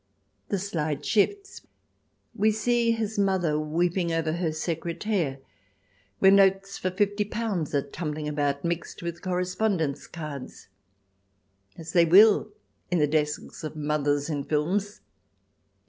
The slide shifts, we see his mother weeping over her secretaire, where notes for fifty pounds are tumbling about, mixed with correspondence cards, as they will in the desks of mothers in films.